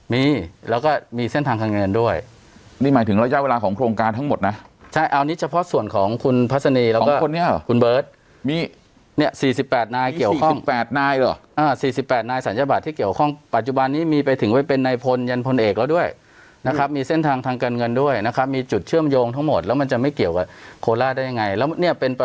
มีแล้วก็มีเส้นทางทางเงินด้วยนี่หมายถึงระยะเวลาของโครงการทั้งหมดนะใช่เอานี้เฉพาะส่วนของคุณพัฒนีแล้วก็คุณเบิร์ตมี๔๘นายเกี่ยวข้อง๔๘นายหรอ๔๘นายสัญญาบัตรที่เกี่ยวข้องปัจจุบันนี้มีไปถึงไว้เป็นในพลยันพลเอกแล้วด้วยนะครับมีเส้นทางทางเงินด้วยนะครับมีจุดเชื่อมโยงทั้งหมดแล้วมันจะไม่เ